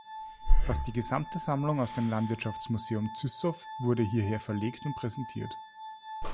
Fast die gesamte Sammlung aus dem Landwirtschaftsmuseum Züssow wurde hierher verlegt und präsentiert.